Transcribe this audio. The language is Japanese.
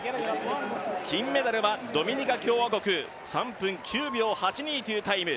金メダルはドミニカ共和国３分９秒８２というタイム。